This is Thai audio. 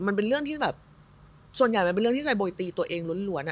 มันเป็นเรื่องที่แบบส่วนใหญ่มันเป็นเรื่องที่ใจโบยตีตัวเองล้วน